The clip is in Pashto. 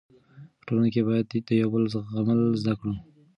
په ټولنه کې باید د یو بل زغمل زده کړو.